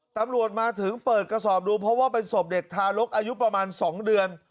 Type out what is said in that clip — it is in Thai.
ตำรวจมาถึงเปิดกระสอบดูเพราะว่าเป็นศพเด็กทารกอายุประมาณ๒เดือน